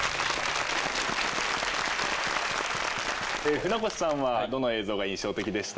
船越さんはどの映像が印象的でした？